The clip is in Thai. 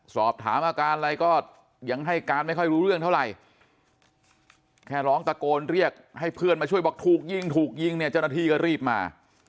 สอบถามอาการอะไรก็ยังให้การไม่ค่อยรู้เรื่องเท่าไหร่แค่ร้องตะโกนเรียกให้เพื่อนมาช่วยบอกถูกยิงถูกยิงเนี่ยเจ้าหน้าที่ก็รีบมา